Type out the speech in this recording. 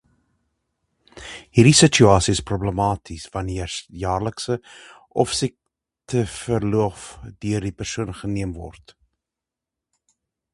Hierdie situasie is problematies wanneer jaarlikse of siekteverlof deur die persoon geneem word.